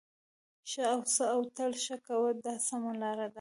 ښه اوسه او تل ښه کوه دا سمه لار ده.